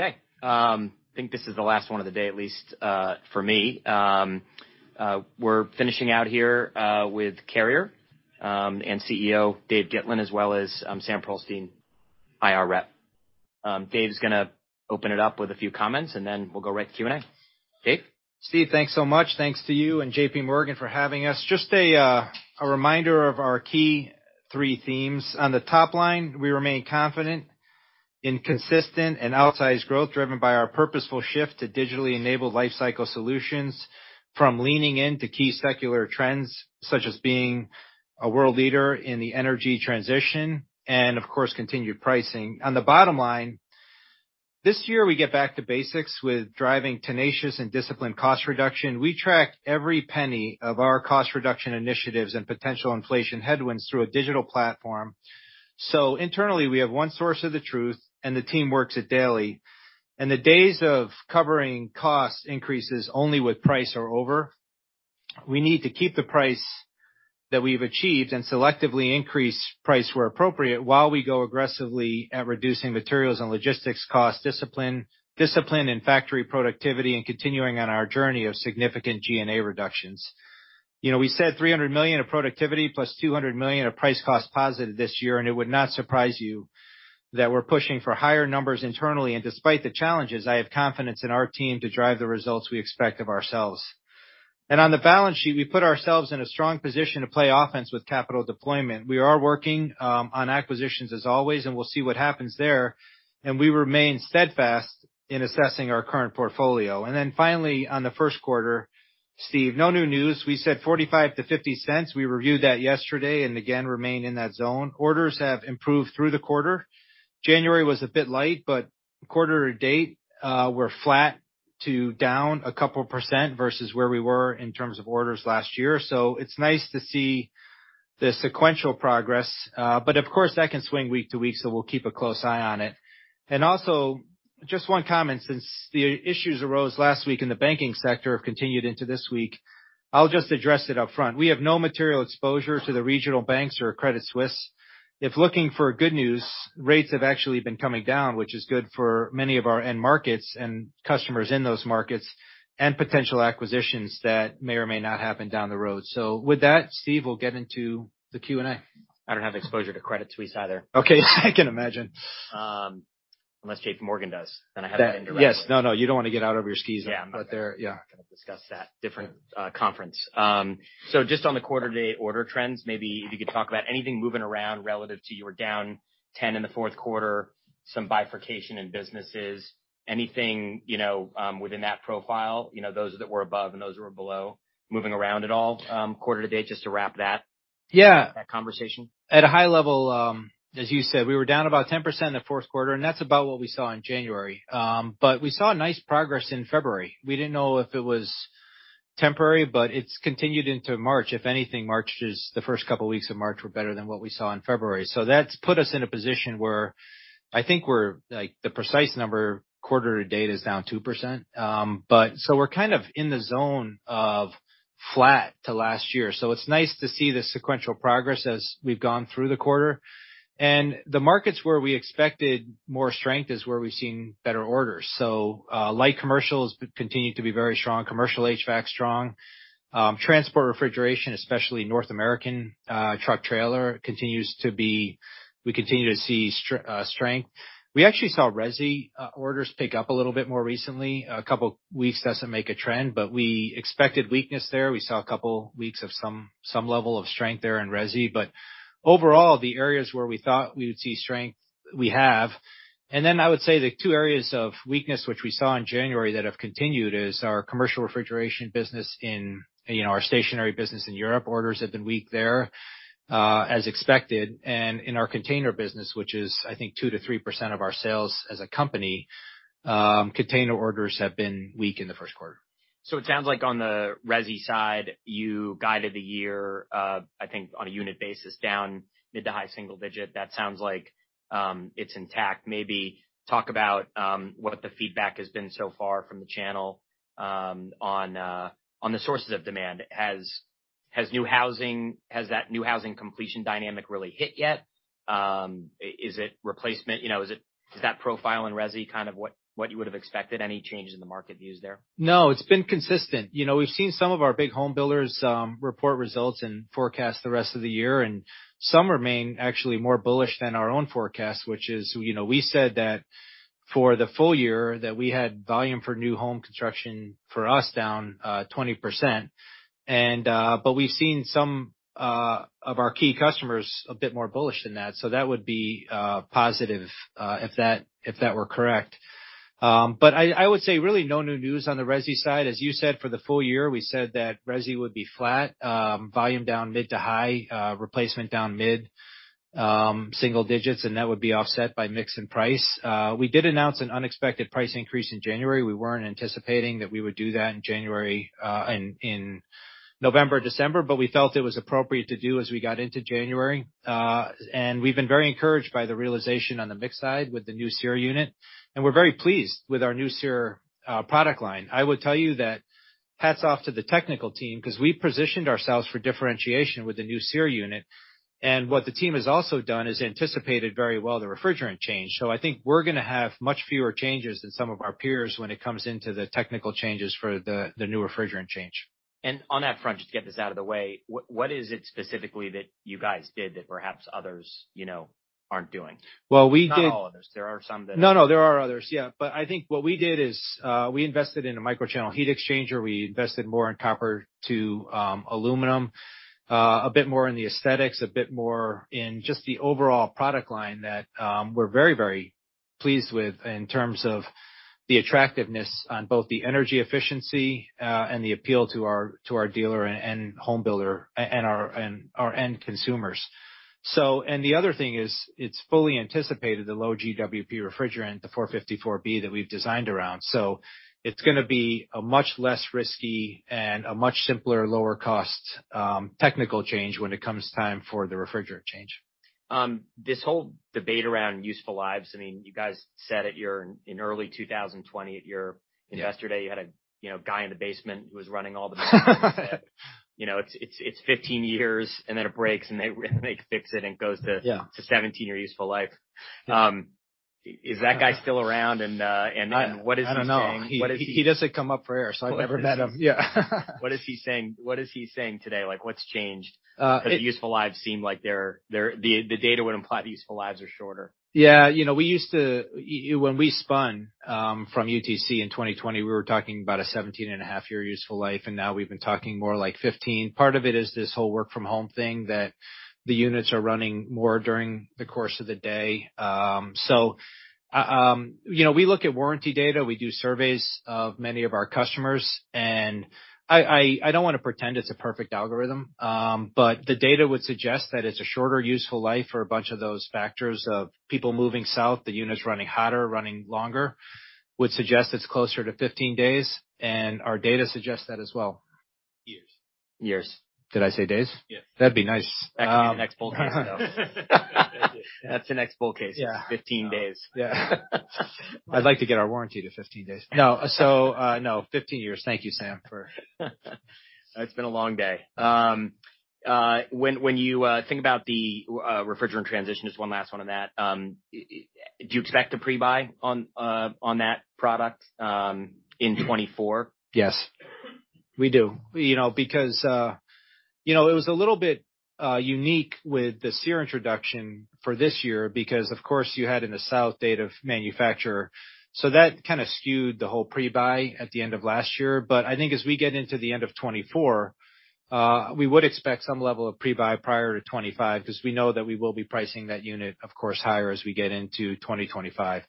I think this is the last one of the day, at least, for me. We're finishing out here with Carrier, and CEO David Gitlin, as well as Sam Pearlstein, IR rep. Dave's gonna open it up with a few comments, and then we'll go right to Q&A. Dave? Steve, thanks so much. Thanks to you and JPMorgan for having us. Just a reminder of our key three themes. On the top line, we remain confident in consistent and outsized growth, driven by our purposeful shift to digitally enabled lifecycle solutions from leaning into key secular trends, such as being a world leader in the energy transition and, of course, continued pricing. On the bottom line, this year, we get back to basics with driving tenacious and disciplined cost reduction. We track every penny of our cost reduction initiatives and potential inflation headwinds through a digital platform. Internally, we have one source of the truth, and the team works it daily. The days of covering cost increases only with price are over. We need to keep the price that we've achieved and selectively increase price where appropriate while we go aggressively at reducing materials and logistics costs, discipline and factory productivity, and continuing on our journey of significant G&A reductions. You know, we said $300 million of productivity plus $200 million of price cost positive this year, and it would not surprise you that we're pushing for higher numbers internally. Despite the challenges, I have confidence in our team to drive the results we expect of ourselves. On the balance sheet, we put ourselves in a strong position to play offense with capital deployment. We are working on acquisitions as always, and we'll see what happens there, and we remain steadfast in assessing our current portfolio. Finally, on the first quarter, Steve, no new news. We said $0.45-$0.50. We reviewed that yesterday and again remain in that zone. Orders have improved through the quarter. January was a bit light, but quarter to date, we're flat to down 2% versus where we were in terms of orders last year. It's nice to see the sequential progress. But of course, that can swing week to week, so we'll keep a close eye on it. Also, just one comment, since the issues arose last week in the banking sector have continued into this week, I'll just address it up front. We have no material exposure to the regional banks or Credit Suisse. If looking for good news, rates have actually been coming down, which is good for many of our end markets and customers in those markets and potential acquisitions that may or may not happen down the road. With that, Steve, we'll get into the Q&A. I don't have exposure to Credit Suisse either. Okay. I can imagine. Unless JP Morgan does, then I have it indirectly. Yes. No, no, you don't wanna get out over your skis... Yeah. -out there. Yeah. Gonna discuss that different conference. Just on the quarter to date order trends, maybe if you could talk about anything moving around relative to you were down 10 in the fourth quarter, some bifurcation in businesses, anything, you know, within that profile, you know, those that were above and those that were below, moving around at all, quarter to date, just to wrap that. Yeah. that conversation. At a high level, as you said, we were down about 10% in the fourth quarter. That's about what we saw in January. We saw nice progress in February. We didn't know if it was temporary. It's continued into March. If anything, the first couple weeks of March were better than what we saw in February. That's put us in a position where I think we're, like, the precise number quarter to date is down 2%. We're kind of in the zone of flat to last year. It's nice to see the sequential progress as we've gone through the quarter. The markets where we expected more strength is where we've seen better orders. Light commercial has continued to be very strong. Commercial HVAC strong. Transport refrigeration, especially North American truck trailer continues to be. We continue to see strength. We actually saw resi orders pick up a little bit more recently. A couple weeks doesn't make a trend, but we expected weakness there. We saw a couple weeks of some level of strength there in resi. Overall, the areas where we thought we would see strength, we have. Then I would say the two areas of weakness which we saw in January that have continued is our commercial refrigeration business in, you know, our stationary business in Europe. Orders have been weak there, as expected. In our container business, which is, I think 2%-3% of our sales as a company, container orders have been weak in the first quarter. It sounds like on the resi side, you guided the year, I think on a unit basis, down mid to high single digit. That sounds like it's intact. Maybe talk about what the feedback has been so far from the channel on the sources of demand. Has new housing, has that new housing completion dynamic really hit yet? Is it replacement? You know, is that profile in resi kind of what you would've expected? Any changes in the market views there? No, it's been consistent. You know, we've seen some of our big home builders, report results and forecast the rest of the year, and some remain actually more bullish than our own forecast, which is, you know, we said that for the full year, that we had volume for new home construction for us down, 20%. But we've seen some of our key customers a bit more bullish than that. So that would be positive, if that, if that were correct. I would say really no new news on the resi side. As you said, for the full year, we said that resi would be flat, volume down mid to high, replacement down mid, single digits, and that would be offset by mix and price. We did announce an unexpected price increase in January. We weren't anticipating that we would do that in January, in November, December, but we felt it was appropriate to do as we got into January. We've been very encouraged by the realization on the mix side with the new SEER unit, and we're very pleased with our new SEER product line. I will tell you that hats off to the technical team 'cause we positioned ourselves for differentiation with the new SEER unit. What the team has also done is anticipated very well the refrigerant change. I think we're gonna have much fewer changes than some of our peers when it comes into the technical changes for the new refrigerant change. On that front, just to get this out of the way, what is it specifically that you guys did that perhaps others, you know, aren't doing? Well, we did-. Not all others. There are some. No, no, there are others. Yeah. I think what we did is, we invested in a microchannel heat exchanger. We invested more in copper to aluminum, a bit more in the aesthetics, a bit more in just the overall product line that we're very, very pleased with in terms of the attractiveness on both the energy efficiency, and the appeal to our, to our dealer and home builder and our, and our end consumers. The other thing is it's fully anticipated, the low GWP refrigerant, the R-454B that we've designed around. It's gonna be a much less risky and a much simpler, lower cost, technical change when it comes time for the refrigerant change. This whole debate around useful lives, I mean, you guys said in early 2020 Yeah. Investor Day, you had, you know, guy in the basement who was running all the machines. You know, it's 15 years, and then it breaks, and they fix it and goes to. Yeah. -to 17 year useful life. Is that guy still around, and what is he saying? I don't know. What is? He doesn't come up for air, so I've never met him. Yeah. What is he saying? What is he saying today? Like, what's changed? Uh, 'cause- Useful lives seem like they're the data would imply the useful lives are shorter. Yeah. You know, when we spun from UTC in 2020, we were talking about a 17.5 year useful life, and now we've been talking more like 15. Part of it is this whole work from home thing, that the units are running more during the course of the day. You know, we look at warranty data. We do surveys of many of our customers, and I don't wanna pretend it's a perfect algorithm, but the data would suggest that it's a shorter useful life for a bunch of those factors of people moving south. The unit's running hotter, running longer, would suggest it's closer to 15 days, and our data suggests that as well. Years. Years. Did I say days? Yeah. That'd be nice. That's the next bull case, though. That's the next bull case. Yeah. 15 days. Yeah. I'd like to get our warranty to 15 days. No. No, 15 years. Thank you, Sam, for... It's been a long day. When you think about the refrigerant transition, just one last one on that, do you expect a pre-buy on that product in 2024? Yes, we do. You know, because, you know, it was a little bit unique with the SEER introduction for this year because of course you had in the south date of manufacturer, so that kinda skewed the whole pre-buy at the end of last year. I think as we get into the end of 24, we would expect some level of pre-buy prior to 25 'cause we know that we will be pricing that unit, of course, higher as we get into 2025.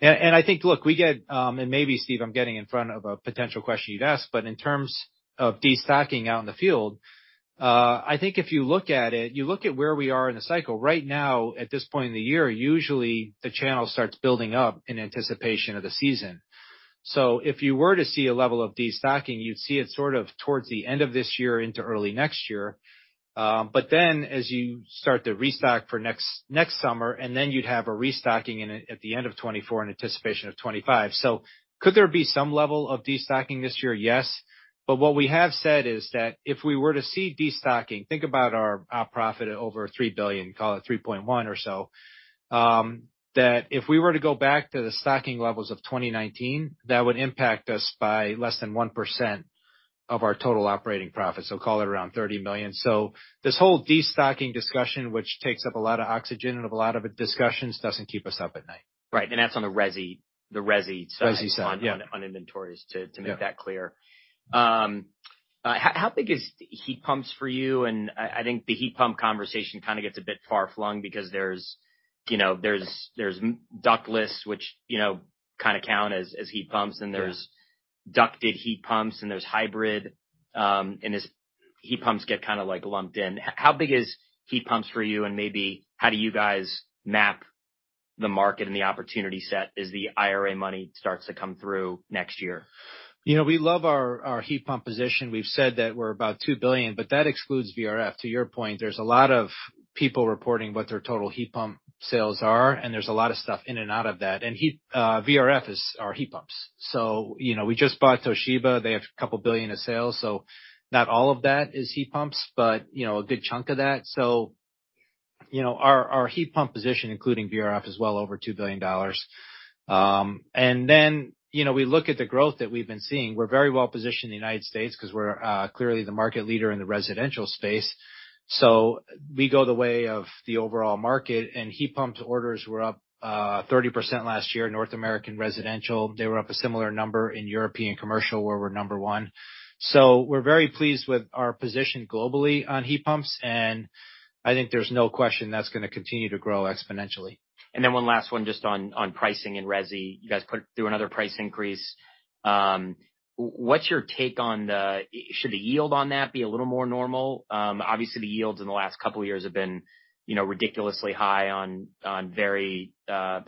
I think, look, we get, and maybe Steve, I'm getting in front of a potential question you'd ask, but in terms of destocking out in the field, I think if you look at it, you look at where we are in the cycle. Right now, at this point in the year, usually the channel starts building up in anticipation of the season. If you were to see a level of destocking, you'd see it sort of towards the end of this year into early next year. Then as you start to restock for next summer, and then you'd have a restocking in it at the end of 2024 in anticipation of 2025. Could there be some level of destocking this year? Yes. What we have said is that if we were to see destocking, think about our profit at over $3 billion, call it $3.1 or so, that if we were to go back to the stocking levels of 2019, that would impact us by less than 1% of our total operating profit, so call it around $30 million. This whole destocking discussion, which takes up a lot of oxygen and a lot of discussions, doesn't keep us up at night. Right. That's on the resi side. Resi side, yeah. on inventories to make that clear. How big is heat pumps for you? I think the heat pump conversation kinda gets a bit far-flung because there's, you know, there's ductless, which, you know, kinda count as heat pumps, and there's ducted heat pumps, and there's hybrid, and as heat pumps get kinda like lumped in. How big is heat pumps for you, and maybe how do you guys map the market and the opportunity set as the IRA money starts to come through next year? You know, we love our heat pump position. We've said that we're about $2 billion, but that excludes VRF. To your point, there's a lot of people reporting what their total heat pump sales are. There's a lot of stuff in and out of that. Heat, VRF is our heat pumps. You know, we just bought Toshiba. They have a couple billion of sales. Not all of that is heat pumps, but you know, a good chunk of that. You know, our heat pump position, including VRF, is well over $2 billion. You know, we look at the growth that we've been seeing. We're very well positioned in the United States 'cause we're clearly the market leader in the residential space. We go the way of the overall market, and heat pumps orders were up 30% last year, North American residential. They were up a similar number in European commercial, where we're number one. We're very pleased with our position globally on heat pumps, and I think there's no question that's gonna continue to grow exponentially. One last one just on pricing and resi. You guys put through another price increase. Should the yield on that be a little more normal? Obviously, the yields in the last couple of years have been, you know, ridiculously high on very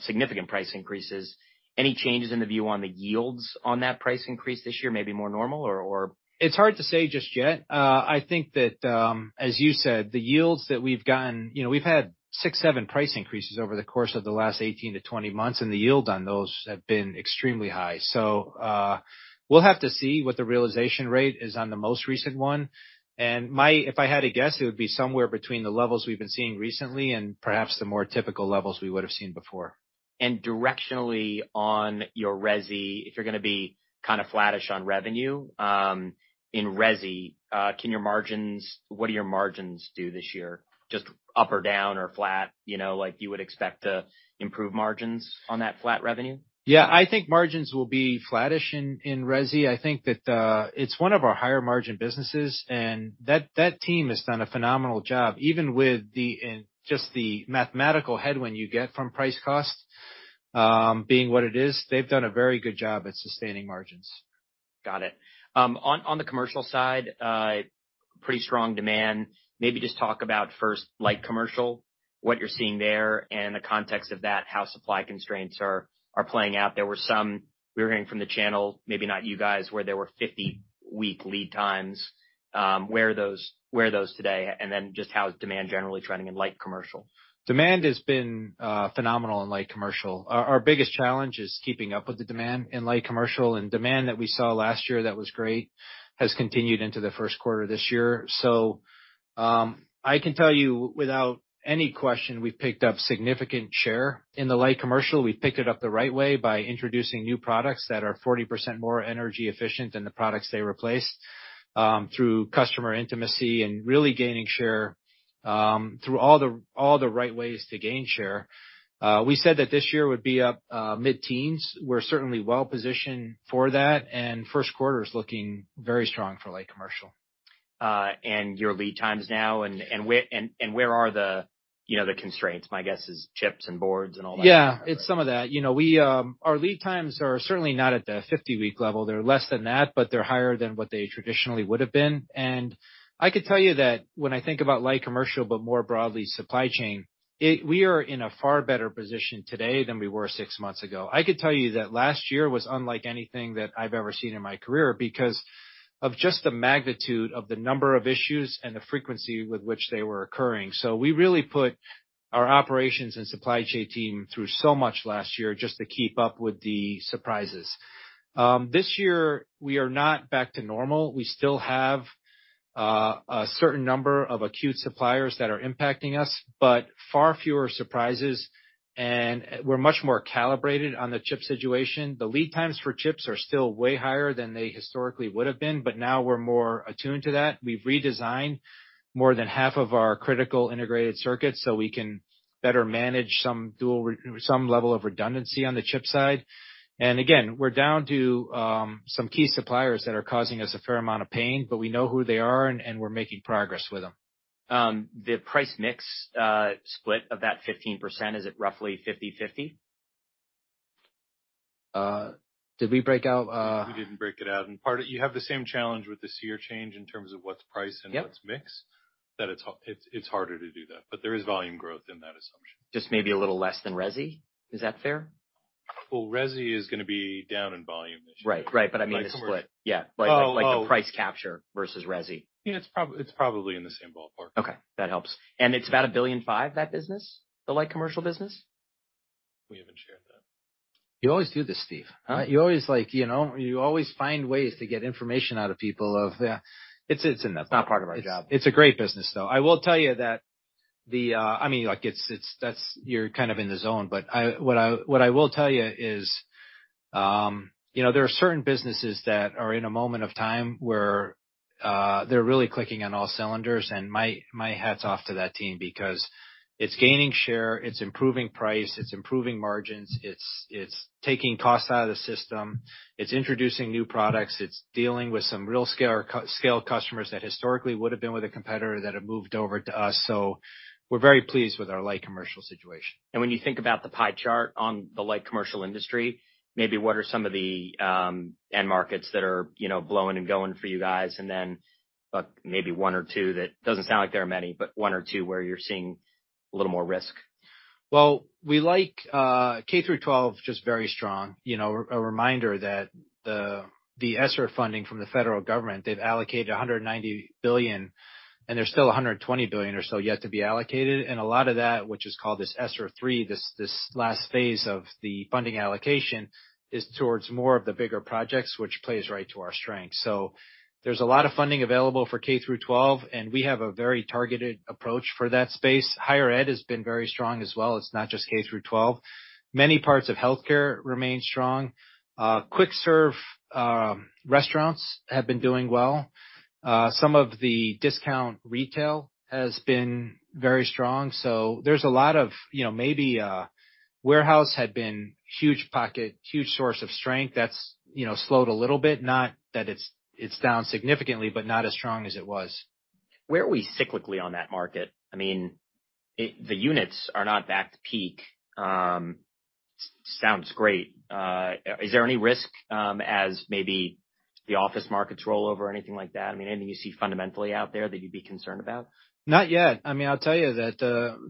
significant price increases. Any changes in the view on the yields on that price increase this year may be more normal or? It's hard to say just yet. I think that, as you said, the yields that we've gotten, you know, we've had six, seven price increases over the course of the last 18 to 20 months. The yield on those have been extremely high. We'll have to see what the realization rate is on the most recent one. If I had to guess, it would be somewhere between the levels we've been seeing recently and perhaps the more typical levels we would have seen before. Directionally on your resi, if you're gonna be kind of flattish on revenue, in resi, what do your margins do this year? Just up or down or flat? You know, like you would expect to improve margins on that flat revenue. Yeah. I think margins will be flattish in resi. I think that it's one of our higher margin businesses, and that team has done a phenomenal job. Even with the mathematical headwind you get from price cost being what it is, they've done a very good job at sustaining margins. Got it. on the commercial side, pretty strong demand. Maybe just talk about first light commercial, what you're seeing there and the context of that, how supply constraints are playing out. We were hearing from the channel, maybe not you guys, where there were 50-week lead times. where are those today? Then just how is demand generally trending in light commercial? Demand has been phenomenal in light commercial. Our biggest challenge is keeping up with the demand in light commercial. Demand that we saw last year that was great has continued into the first quarter this year. I can tell you without any question, we've picked up significant share in the light commercial. We've picked it up the right way by introducing new products that are 40% more energy efficient than the products they replaced, through customer intimacy and really gaining share, through all the, all the right ways to gain share. We said that this year would be up mid-teens. We're certainly well-positioned for that, and first quarter is looking very strong for light commercial. Your lead times now and where are the, you know, the constraints? My guess is chips and boards and all that. Yeah, it's some of that. You know, our lead times are certainly not at the 50-week level. They're less than that, but they're higher than what they traditionally would have been. I could tell you that when I think about light commercial, but more broadly, supply chain, we are in a far better position today than we were 6 months ago. I could tell you that last year was unlike anything that I've ever seen in my career because of just the magnitude of the number of issues and the frequency with which they were occurring. We really put our operations and supply chain team through so much last year just to keep up with the surprises. This year we are not back to normal. We still have a certain number of acute suppliers that are impacting us, but far fewer surprises, and we're much more calibrated on the chip situation. The lead times for chips are still way higher than they historically would have been, but now we're more attuned to that. We've redesigned more than half of our critical integrated circuits, so we can better manage some level of redundancy on the chip side. Again, we're down to some key suppliers that are causing us a fair amount of pain, but we know who they are and we're making progress with them. The price mix, split of that 15%, is it roughly 50/50? Did we break out? We didn't break it out. Part of it, you have the same challenge with the CR change in terms of what's price and what's mix. Yep. It's harder to do that, but there is volume growth in that assumption. Just maybe a little less than resi? Is that fair? Well, resi is gonna be down in volume this year. Right. Right. I mean, the split. Light commercial. Yeah. Oh. Oh. Like the price capture versus resi. It's probably in the same ballpark. Okay, that helps. It's about $1.5 billion, that business? The light commercial business. We haven't shared that. You always do this, Steve. Huh? You always like, you know, you always find ways to get information out of people of... It's in that ballpark. It's not part of our job. It's a great business, though. I will tell you that the, I mean, like, it's. You're kind of in the zone, but what I will tell you is, you know, there are certain businesses that are in a moment of time where they're really clicking on all cylinders, and my hat's off to that team because it's gaining share, it's improving price, it's improving margins, it's taking costs out of the system, it's introducing new products, it's dealing with some real scale customers that historically would have been with a competitor that have moved over to us. We're very pleased with our light commercial situation. When you think about the pie chart on the light commercial industry, maybe what are some of the end markets that are, you know, blowing and going for you guys? Then, maybe one or two. Doesn't sound like there are many, but one or two where you're seeing a little more risk? Well, we like K-12, just very strong. You know, a reminder that the ESSER funding from the federal government, they've allocated $190 billion, and there's still $120 billion or so yet to be allocated. A lot of that, which is called this ESSER III, this last phase of the funding allocation, is towards more of the bigger projects, which plays right to our strength. There's a lot of funding available for K-12, and we have a very targeted approach for that space. Higher ed has been very strong as well. It's not just K-12. Many parts of healthcare remain strong. Quick serve restaurants have been doing well. Some of the discount retail has been very strong. There's a lot of, you know, maybe, warehouse had been huge pocket, huge source of strength. That's, you know, slowed a little bit. Not that it's down significantly, but not as strong as it was. Where are we cyclically on that market? I mean, the units are not back to peak. Sounds great. Is there any risk, as maybe the office markets roll over or anything like that? I mean, anything you see fundamentally out there that you'd be concerned about? Not yet. I mean, I'll tell you that,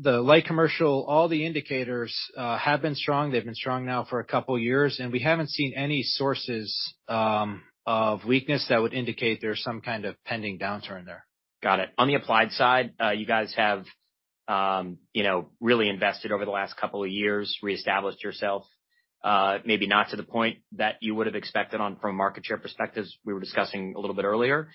the light commercial, all the indicators, have been strong. They've been strong now for a couple years, and we haven't seen any sources of weakness that would indicate there's some kind of pending downturn there. Got it. On the applied side, you guys have, you know, really invested over the last couple of years, reestablished yourself, maybe not to the point that you would have expected on from a market share perspective as we were discussing a little bit earlier.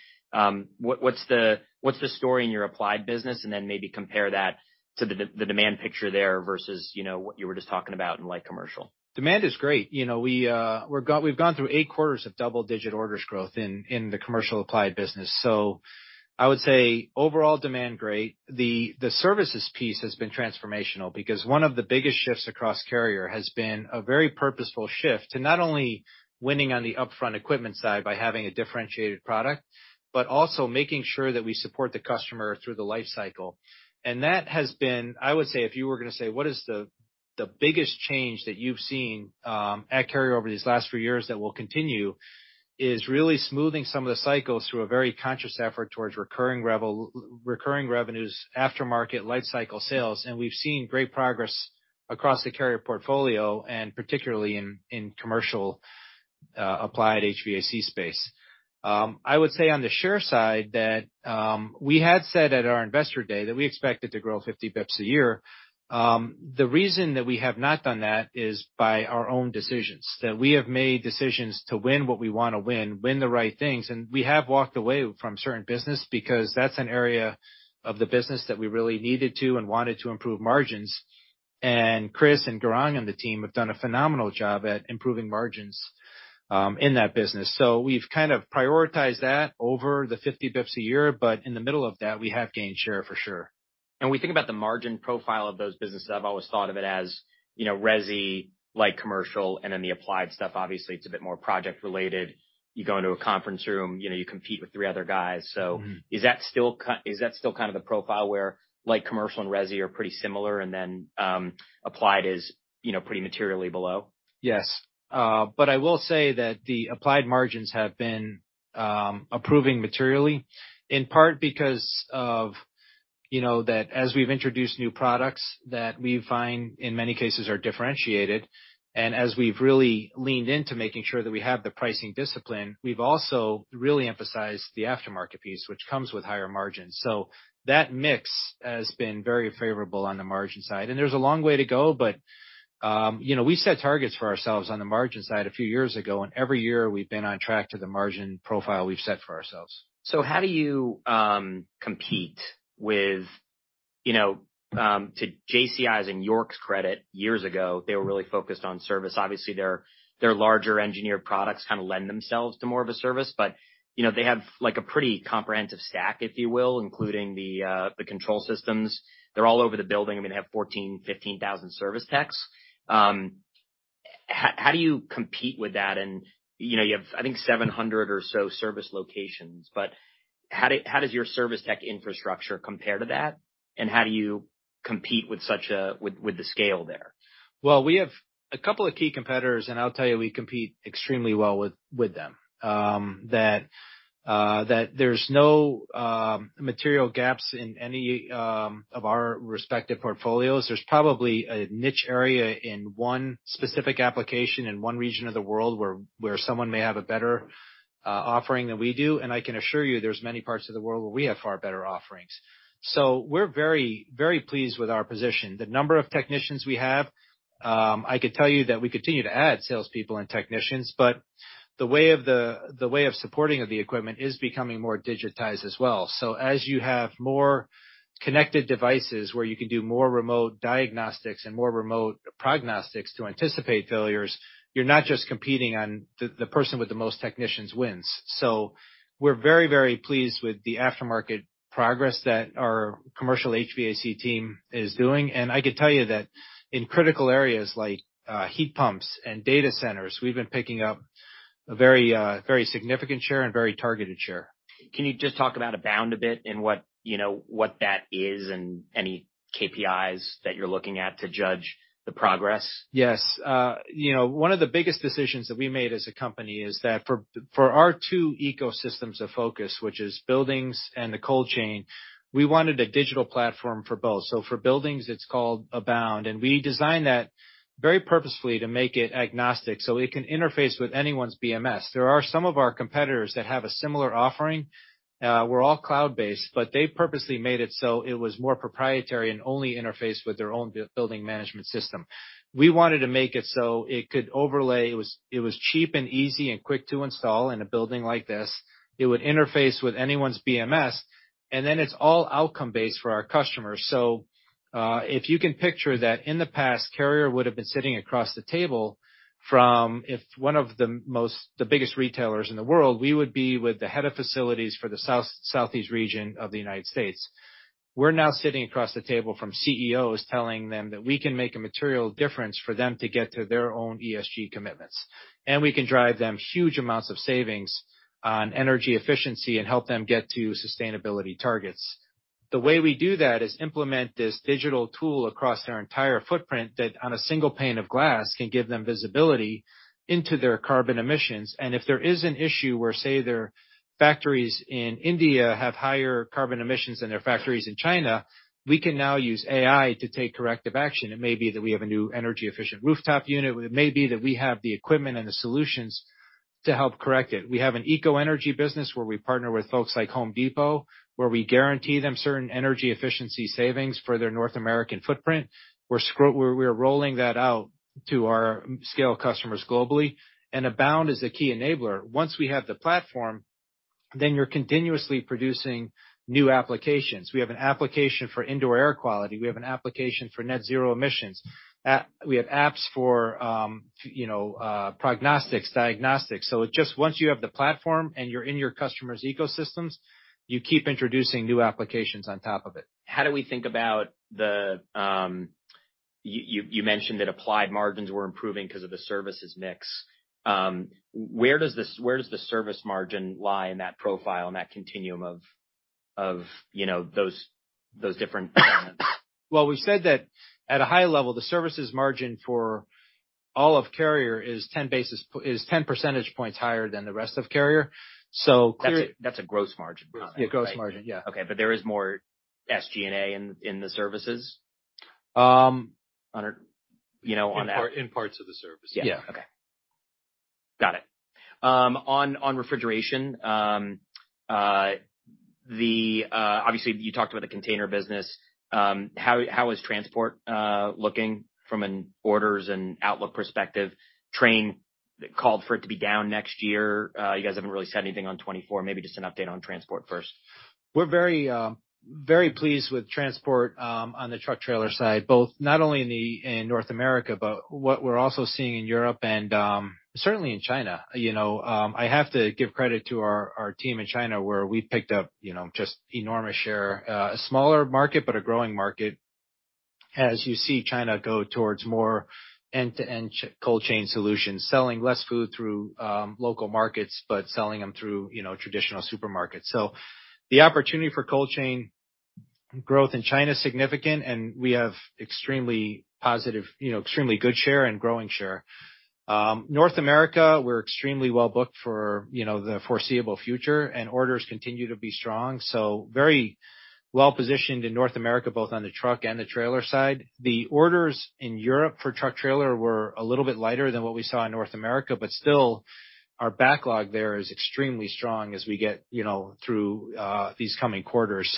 What's the story in your applied business? Then maybe compare that to the demand picture there versus, you know, what you were just talking about in light commercial. Demand is great. You know, we've gone through eight quarters of double-digit orders growth in the commercial applied business. I would say overall demand great. The services piece has been transformational because one of the biggest shifts across Carrier has been a very purposeful shift to not only winning on the upfront equipment side by having a differentiated product, but also making sure that we support the customer through the life cycle. That has been, I would say, if you were gonna say, what is the biggest change that you've seen at Carrier over these last few years that will continue, is really smoothing some of the cycles through a very conscious effort towards recurring revenues, aftermarket life cycle sales. We've seen great progress across the Carrier portfolio, and particularly in commercial applied HVAC space. I would say on the share side that we had said at our investor day that we expected to grow 50 basis points a year. The reason that we have not done that is by our own decisions. We have made decisions to win what we wanna win the right things, and we have walked away from certain business because that's an area of the business that we really needed to and wanted to improve margins. Chris and Goran and the team have done a phenomenal job at improving margins in that business. We've kind of prioritized that over the 50 basis points a year, but in the middle of that, we have gained share for sure. We think about the margin profile of those businesses. I've always thought of it as, you know, resi, light commercial, and then the applied stuff, obviously it's a bit more project related. You go into a conference room, you know, you compete with three other guys. Mm-hmm. Is that still kind of the profile where light commercial and resi are pretty similar, and then, applied is, you know, pretty materially below? Yes. I will say that the applied margins have been approving materially, in part because of, you know, that as we've introduced new products that we find in many cases are differentiated, and as we've really leaned into making sure that we have the pricing discipline, we've also really emphasized the aftermarket piece, which comes with higher margins. That mix has been very favorable on the margin side. There's a long way to go, but, you know, we set targets for ourselves on the margin side a few years ago, and every year we've been on track to the margin profile we've set for ourselves. How do you compete with, you know, to JCI's and YORK's credit, years ago, they were really focused on service. Obviously, their larger engineered products kinda lend themselves to more of a service, but, you know, they have, like, a pretty comprehensive stack, if you will, including the control systems. They're all over the building. I mean, they have 14,000-15,000 service techs. How do you compete with that? You know, you have, I think, 700 or so service locations, but how does your service tech infrastructure compare to that? How do you compete with the scale there? Well, we have a couple of key competitors. I'll tell you, we compete extremely well with them. That there's no material gaps in any of our respective portfolios. There's probably a niche area in one specific application in one region of the world where someone may have a better offering than we do. I can assure you, there's many parts of the world where we have far better offerings. We're very, very pleased with our position. The number of technicians we have, I could tell you that we continue to add salespeople and technicians. The way of supporting of the equipment is becoming more digitized as well. As you have more connected devices where you can do more remote diagnostics and more remote prognostics to anticipate failures, you're not just competing on the person with the most technicians wins. We're very, very pleased with the aftermarket progress that our commercial HVAC team is doing. I could tell you that in critical areas like heat pumps and data centers, we've been picking up a very significant share and very targeted share. Can you just talk about Abound a bit and what, you know, what that is and any KPIs that you're looking at to judge the progress? Yes. you know, one of the biggest decisions that we made as a company is that for our two ecosystems of focus, which is buildings and the cold chain, we wanted a digital platform for both. For buildings, it's called Abound, and we designed that very purposefully to make it agnostic, so it can interface with anyone's BMS. There are some of our competitors that have a similar offering. We're all cloud-based, but they purposely made it so it was more proprietary and only interfaced with their own building management system. We wanted to make it so it could overlay. It was cheap and easy and quick to install in a building like this. It would interface with anyone's BMS, and then it's all outcome-based for our customers. If you can picture that in the past, Carrier would've been sitting across the table from the biggest retailers in the world, we would be with the head of facilities for the South, Southeast region of the United States. We're now sitting across the table from CEOs telling them that we can make a material difference for them to get to their own ESG commitments, and we can drive them huge amounts of savings on energy efficiency and help them get to sustainability targets. The way we do that is implement this digital tool across their entire footprint that on a single pane of glass, can give them visibility into their carbon emissions. If there is an issue where, say, their factories in India have higher carbon emissions than their factories in China, we can now use AI to take corrective action. It may be that we have a new energy-efficient rooftop unit, or it may be that we have the equipment and the solutions to help correct it. We have an EcoEnergy business where we partner with folks like Home Depot, where we guarantee them certain energy efficiency savings for their North American footprint. We're rolling that out to our scale customers globally, and Abound is the key enabler. Once we have the platform, then you're continuously producing new applications. We have an application for indoor air quality. We have an application for net zero emissions. We have apps for, you know, prognostics, diagnostics. It just once you have the platform and you're in your customer's ecosystems, you keep introducing new applications on top of it. How do we think about the, you mentioned that applied margins were improving 'cause of the services mix. Where does the service margin lie in that profile, in that continuum of, you know, those different elements? We've said that at a high level, the services margin for all of Carrier is 10 percentage points higher than the rest of Carrier. That's a gross margin comment. Yeah. Gross margin. Yeah. Okay. There is more SG&A in the services? Um- Under, you know, on that. In parts of the service. Yeah. Okay. Got it. On refrigeration. Obviously, you talked about the container business. How is transport looking from an orders and outlook perspective? Trane called for it to be down next year. You guys haven't really said anything on 2024. Maybe just an update on transport first. We're very, very pleased with transport on the truck trailer side, both not only in North America, but what we're also seeing in Europe and certainly in China. You know, I have to give credit to our team in China where we picked up, you know, just enormous share. A smaller market but a growing market as you see China go towards more end-to-end cold chain solutions. Selling less food through local markets, but selling them through, you know, traditional supermarkets. The opportunity for cold chain growth in China is significant, and we have extremely positive, you know, extremely good share and growing share. North America, we're extremely well booked for, you know, the foreseeable future, and orders continue to be strong. Very well-positioned in North America, both on the truck and the trailer side. The orders in Europe for truck trailer were a little bit lighter than what we saw in North America, but still our backlog there is extremely strong as we get, you know, through these coming quarters.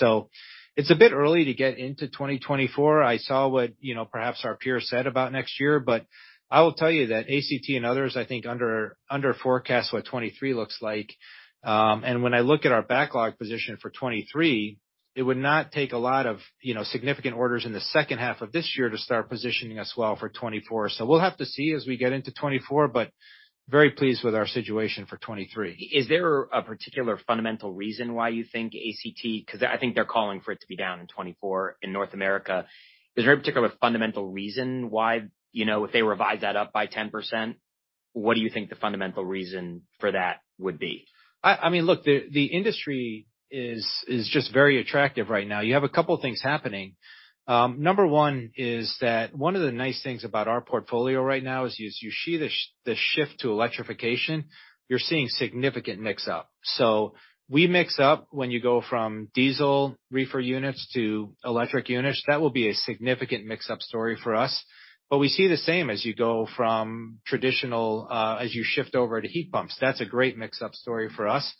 It's a bit early to get into 2024. I saw what, you know, perhaps our peers said about next year, but I will tell you that ACT and others, I think, under forecast what 2023 looks like. When I look at our backlog position for 2023, it would not take a lot of, you know, significant orders in the second half of this year to start positioning us well for 2024. We'll have to see as we get into 2024, but very pleased with our situation for 2023. Is there a particular fundamental reason why you think ACT? Because I think they're calling for it to be down in 2024 in North America. Is there a particular fundamental reason why, you know, if they revise that up by 10%, what do you think the fundamental reason for that would be? I mean, look, the industry is just very attractive right now. You have a couple things happening. Number 1 is that one of the nice things about our portfolio right now is you see the shift to electrification, you're seeing significant mix-up. We mix up when you go from diesel reefer units to electric units. That will be a significant mix-up story for us. We see the same as you go from traditional as you shift over to heat pumps. That's a great mix-up story for us.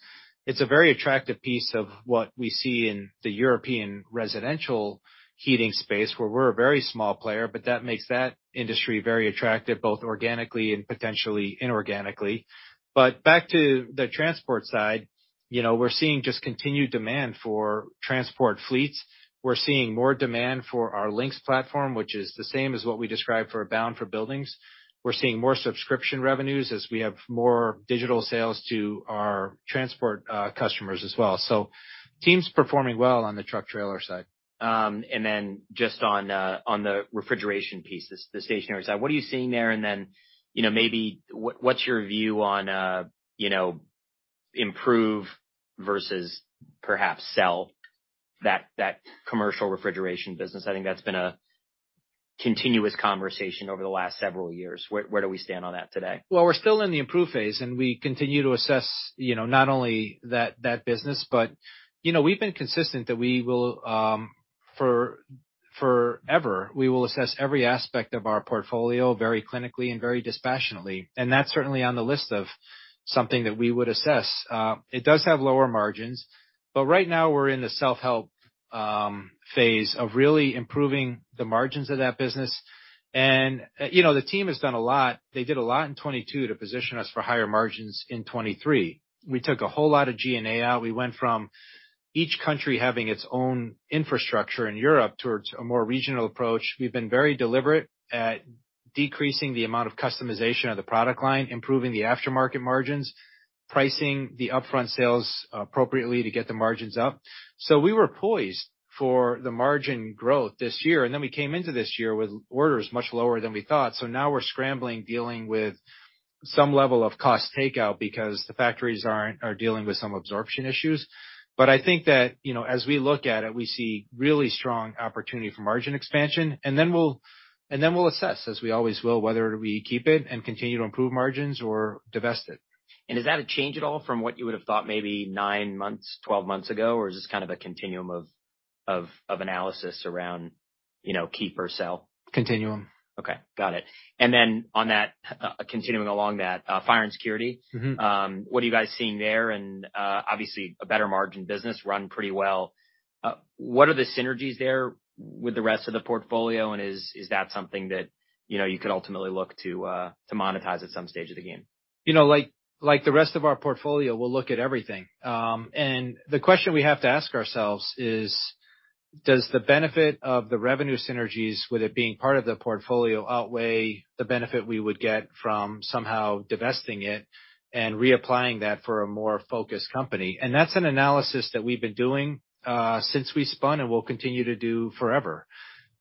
It's a very attractive piece of what we see in the European residential heating space, where we're a very small player, but that makes that industry very attractive, both organically and potentially inorganically. Back to the transport side, you know, we're seeing just continued demand for transport fleets. We're seeing more demand for our Lynx platform, which is the same as what we described for Abound for Buildings. We're seeing more subscription revenues as we have more digital sales to our transport customers as well. Teams performing well on the truck trailer side. Just on the refrigeration piece, the stationary side, what are you seeing there? You know, maybe what's your view on, you know, improve versus perhaps sell that commercial refrigeration business? I think that's been a continuous conversation over the last several years. Where do we stand on that today? Well, we're still in the improve phase, and we continue to assess, you know, not only that business. You know, we've been consistent that we will forever, we will assess every aspect of our portfolio very clinically and very dispassionately, and that's certainly on the list of something that we would assess. It does have lower margins, but right now we're in the self-help phase of really improving the margins of that business. You know, the team has done a lot. They did a lot in 2022 to position us for higher margins in 2023. We took a whole lot of G&A out. We went from each country having its own infrastructure in Europe towards a more regional approach. We've been very deliberate at decreasing the amount of customization of the product line, improving the aftermarket margins, pricing the upfront sales appropriately to get the margins up. We were poised for the margin growth this year. We came into this year with orders much lower than we thought. Now we're scrambling, dealing with some level of cost takeout because the factories are dealing with some absorption issues. I think that, you know, as we look at it, we see really strong opportunity for margin expansion, and then we'll assess, as we always will, whether we keep it and continue to improve margins or divest it. Is that a change at all from what you would have thought maybe nine months, 12 months ago? Or is this kind of a continuum of analysis around, you know, keep or sell? Continuum. Okay, got it. On that, continuing along that, fire and security. Mm-hmm. What are you guys seeing there? Obviously a better margin business, run pretty well. What are the synergies there with the rest of the portfolio? Is that something that, you know, you could ultimately look to monetize at some stage of the game? You know, like the rest of our portfolio, we'll look at everything. The question we have to ask ourselves is, does the benefit of the revenue synergies with it being part of the portfolio outweigh the benefit we would get from somehow divesting it and reapplying that for a more focused company? That's an analysis that we've been doing since we spun, and we'll continue to do forever.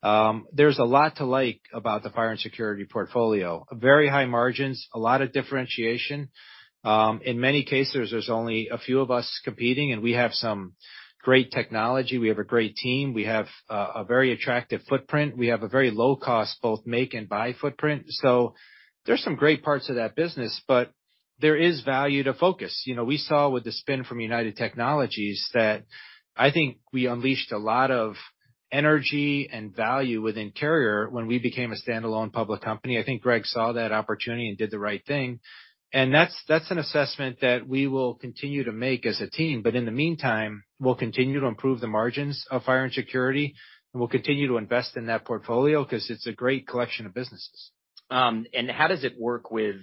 There's a lot to like about the fire and security portfolio. Very high margins, a lot of differentiation. In many cases, there's only a few of us competing, and we have some great technology. We have a great team. We have a very attractive footprint. We have a very low cost, both make and buy footprint. There's some great parts of that business, but there is value to focus. You know, we saw with the spin from United Technologies that I think we unleashed a lot of energy and value within Carrier when we became a standalone public company. I think Greg saw that opportunity and did the right thing. That's an assessment that we will continue to make as a team. In the meantime, we'll continue to improve the margins of fire and security, and we'll continue to invest in that portfolio 'cause it's a great collection of businesses. How does it work with,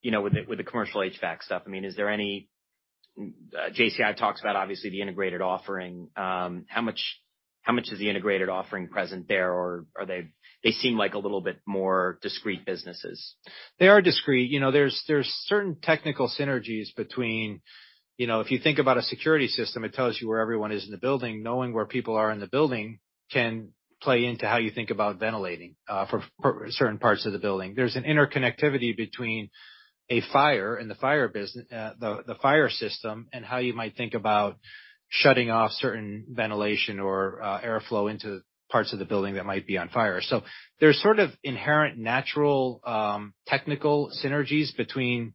you know, with the, with the commercial HVAC stuff? I mean, is there any... JCI talks about obviously the integrated offering. How much is the integrated offering present there, or They seem like a little bit more discrete businesses. They are discrete. You know, there's certain technical synergies between. You know, if you think about a security system, it tells you where everyone is in the building. Knowing where people are in the building can play into how you think about ventilating for certain parts of the building. There's an interconnectivity between a fire and the fire system and how you might think about shutting off certain ventilation or airflow into parts of the building that might be on fire. There's sort of inherent natural technical synergies between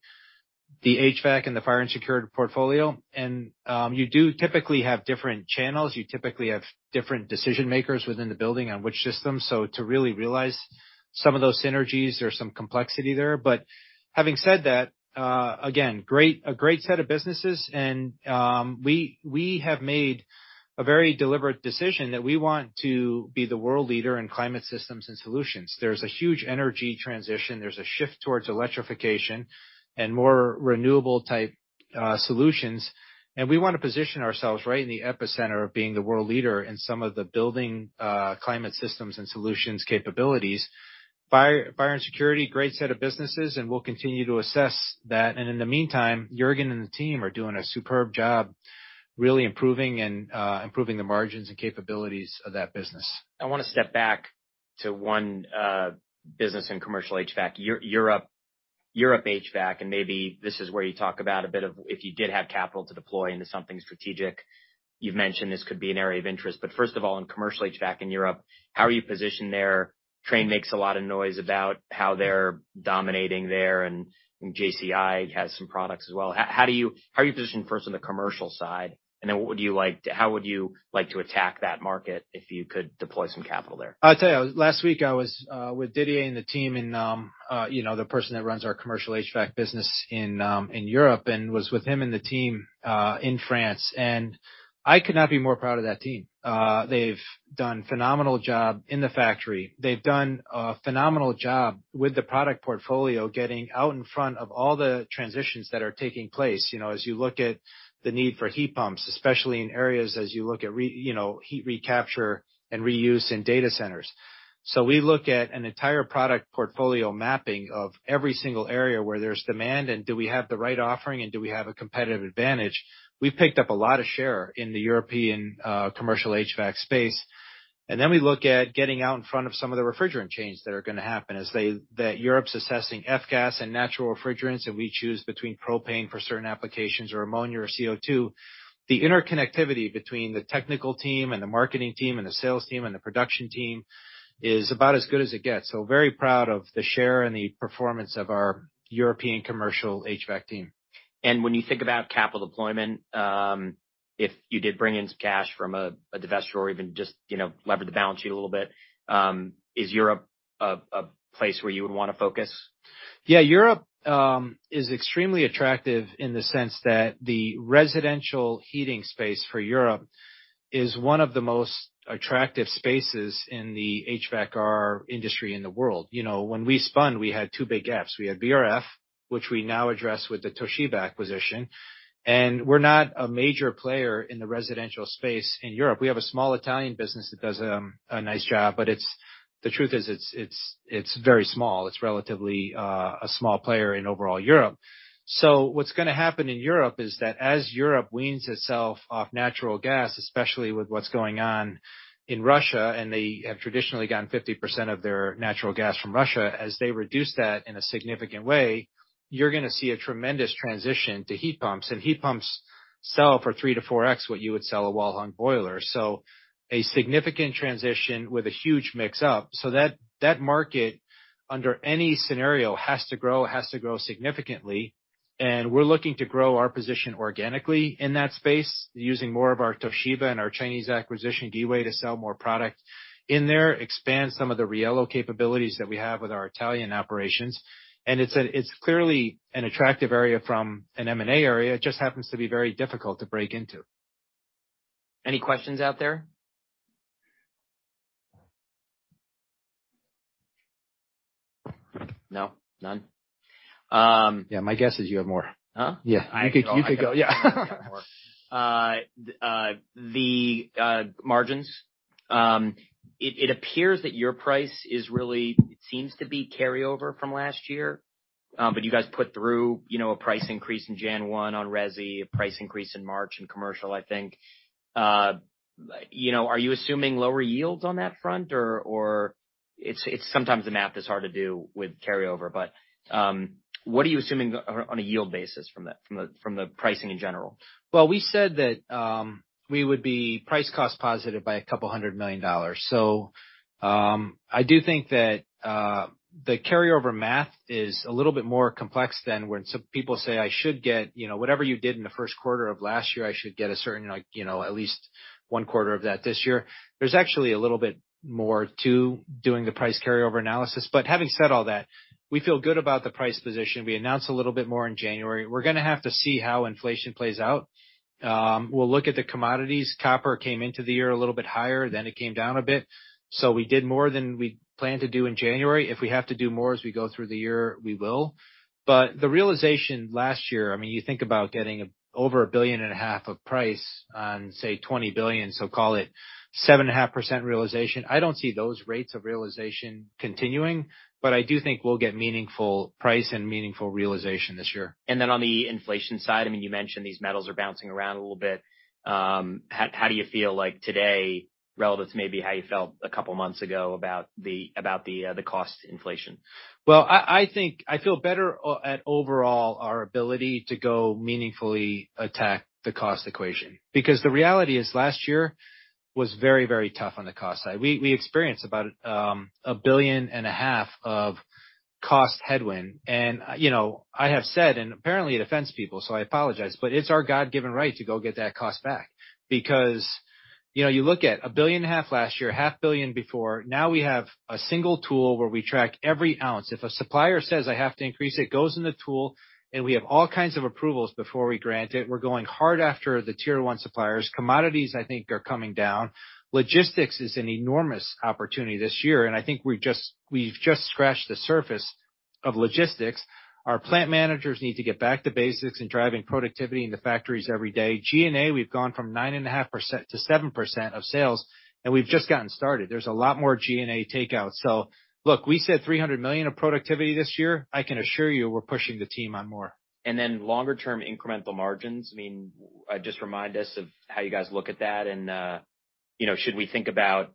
the HVAC and the fire and security portfolio. You do typically have different channels. You typically have different decision makers within the building on which system. To really realize some of those synergies, there's some complexity there. Having said that, again, a great set of businesses and we have made a very deliberate decision that we want to be the world leader in climate systems and solutions. There's a huge energy transition. There's a shift towards electrification and more renewable type solutions. We wanna position ourselves right in the epicenter of being the world leader in some of the building climate systems and solutions capabilities. Fire and security, great set of businesses, we'll continue to assess that. In the meantime, Jurgen and the team are doing a superb job really improving and improving the margins and capabilities of that business. I wanna step back to one business in commercial HVAC. Europe HVAC, and maybe this is where you talk about a bit of if you did have capital to deploy into something strategic, you've mentioned this could be an area of interest. First of all, in commercial HVAC in Europe, how are you positioned there? Trane makes a lot of noise about how they're dominating there, and JCI has some products as well. How are you positioned first on the commercial side? How would you like to attack that market if you could deploy some capital there? I'll tell you, last week I was with Didier and the team and, you know, the person that runs our commercial HVAC business in Europe and was with him and the team in France. I could not be more proud of that team. They've done phenomenal job in the factory. They've done a phenomenal job with the product portfolio, getting out in front of all the transitions that are taking place, you know, as you look at the need for heat pumps, especially in areas as you look at, you know, heat recapture and reuse in data centers. We look at an entire product portfolio mapping of every single area where there's demand, and do we have the right offering and do we have a competitive advantage? We've picked up a lot of share in the European, commercial HVAC space. Then we look at getting out in front of some of the refrigerant chains that are gonna happen as that Europe's assessing F-gas and natural refrigerants, and we choose between propane for certain applications or ammonia or CO2. The interconnectivity between the technical team and the marketing team and the sales team and the production team is about as good as it gets. Very proud of the share and the performance of our European commercial HVAC team. When you think about capital deployment, if you did bring in some cash from a divestor or even just, you know, lever the balance sheet a little bit, is Europe a place where you would wanna focus? Yeah. Europe is extremely attractive in the sense that the residential heating space for Europe is one of the most attractive spaces in the HVAC-R industry in the world. You know, when we spun, we had two big Fs. We had VRF, which we now address with the Toshiba acquisition. We're not a major player in the residential space in Europe. We have a small Italian business that does a nice job, but the truth is, it's very small. It's relatively a small player in overall Europe. What's gonna happen in Europe is that as Europe weans itself off natural gas, especially with what's going on in Russia, and they have traditionally gotten 50% of their natural gas from Russia. As they reduce that in a significant way, you're gonna see a tremendous transition to heat pumps. Heat pumps sell for 3x to 4x what you would sell a wall-hung boiler. A significant transition with a huge mix up. That market, under any scenario, has to grow significantly. We're looking to grow our position organically in that space using more of our Toshiba and our Chinese acquisition, Giwee, to sell more product in there, expand some of the Riello capabilities that we have with our Italian operations. It's clearly an attractive area from an M&A area. It just happens to be very difficult to break into. Any questions out there? No, none? Yeah, my guess is you have more. Huh? Yeah. You could go, yeah. I have more. The margins, it appears that your price is really, it seems to be carryover from last year, but you guys put through, you know, a price increase in January 1 on resi, a price increase in March in commercial, I think. You know, are you assuming lower yields on that front, or it's sometimes the math is hard to do with carryover, but what are you assuming on a yield basis from the pricing in general? Well, we said that we would be price cost positive by $200 million. I do think that the carryover math is a little bit more complex than when some people say, "I should get, you know, whatever you did in the first quarter of last year, I should get a certain, like, you know, at least one quarter of that this year." There's actually a little bit more to doing the price carryover analysis. Having said all that, we feel good about the price position. We announced a little bit more in January. We're gonna have to see how inflation plays out. We'll look at the commodities. Copper came into the year a little bit higher, then it came down a bit, so we did more than we planned to do in January. If we have to do more as we go through the year, we will. The realization last year, I mean, you think about getting over a billion and a half of price on, say, $20 billion, so call it 7.5% realization. I don't see those rates of realization continuing, but I do think we'll get meaningful price and meaningful realization this year. On the inflation side, I mean, you mentioned these metals are bouncing around a little bit. How do you feel like today relative to maybe how you felt a couple months ago about the, about the cost inflation? Well, I think I feel better at overall our ability to go meaningfully attack the cost equation. The reality is, last year was very tough on the cost side. We experienced about $1.5 billion of cost headwind. You know, I have said, and apparently it offends people, so I apologize, but it's our God-given right to go get that cost back. You know, you look at $1.5 billion last year, $0.5 billion before. Now we have a single tool where we track every ounce. If a supplier says, "I have to increase it," it goes in the tool, and we have all kinds of approvals before we grant it. We're going hard after the tier one suppliers. Commodities, I think, are coming down. Logistics is an enormous opportunity this year. I think we've just scratched the surface of logistics. Our plant managers need to get back to basics in driving productivity in the factories every day. G&A, we've gone from 9.5% to 7% of sales. We've just gotten started. There's a lot more G&A takeout. Look, we said $300 million of productivity this year. I can assure you we're pushing the team on more. Longer term incremental margins, I mean, just remind us of how you guys look at that and, you know, should we think about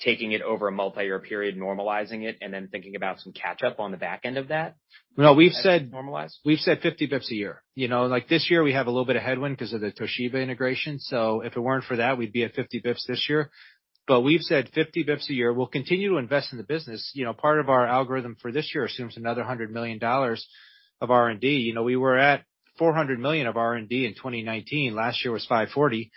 taking it over a multi-year period, normalizing it, and then thinking about some catch-up on the back end of that? No, we've said-. As it normalize. We've said 50 bips a year. You know, like, this year we have a little bit of headwind because of the Toshiba integration. If it weren't for that, we'd be at 50 bips this year. We've said 50 bips a year. We'll continue to invest in the business. You know, part of our algorithm for this year assumes another $100 million of R&D. You know, we were at $400 million of R&D in 2019. Last year was $540 million.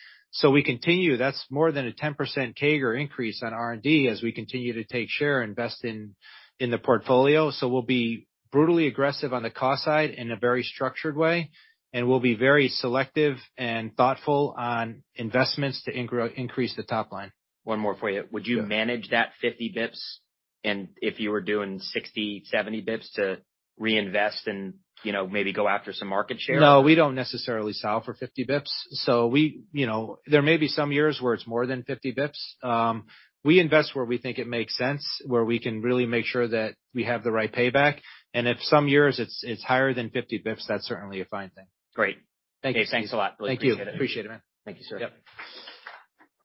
We continue. That's more than a 10% CAGR increase on R&D as we continue to take share, invest in the portfolio. We'll be brutally aggressive on the cost side in a very structured way, and we'll be very selective and thoughtful on investments to increase the top line. One more for you. Sure. Would you manage that 50 basis points and if you were doing 60, 70 basis points to reinvest and, you know, maybe go after some market share? No, we don't necessarily sell for 50 basis points. We, you know, there may be some years where it's more than 50 basis points. We invest where we think it makes sense, where we can really make sure that we have the right payback. If some years it's higher than 50 basis points, that's certainly a fine thing. Great. Thank you. Okay. Thanks a lot. Really appreciate it. Thank you. Appreciate it, man. Thank you, sir. Yep.